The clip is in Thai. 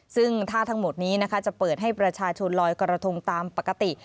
ซึ่งท่าทั้งหมดนี้นะคะจะเปิดให้ประชาชนลอยกระทงตามปกติ